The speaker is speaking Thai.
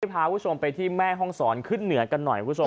พาคุณผู้ชมไปที่แม่ห้องศรขึ้นเหนือกันหน่อยคุณผู้ชม